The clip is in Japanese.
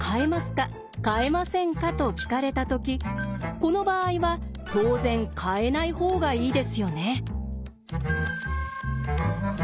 変えませんか？」と聞かれたときこの場合は当然変えない方がいいですよね？